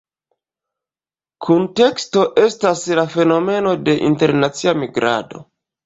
Kunteksto estas la fenomeno de internacia migrado.